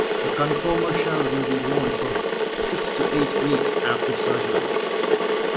The conformer shell will be worn for six to eight weeks after surgery.